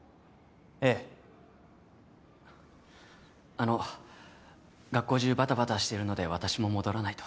あの学校中バタバタしてるので私も戻らないと。